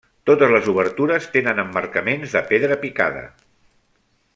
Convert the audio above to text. Totes les obertures tenen emmarcaments de pedra picada.